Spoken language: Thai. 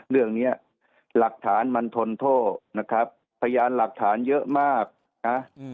เรื่องเนี้ยหลักฐานมันทนโทษนะครับพยานหลักฐานเยอะมากนะ